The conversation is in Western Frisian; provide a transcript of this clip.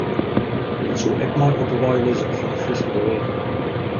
Dat soe ek mei op ’e wei lizze fan de Fryske Beweging.